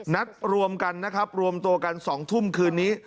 นัดรวมกันนะครับรวมตัวกัน๒ทุ่มคืนนี้